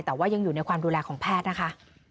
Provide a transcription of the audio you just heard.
แต่ว่ายังอยู่ในความดูแลของแพทย์นะคะ